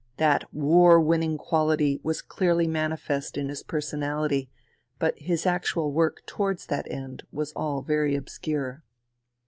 That war winning quality was clearly manifest in his person ality, but his actual work towards that end was all very obscure.